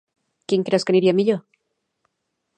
Quin creus que aniria millor?